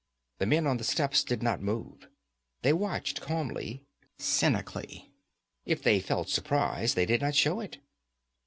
The men on the steps did not move. They watched calmly, cynically; if they felt surprise they did not show it.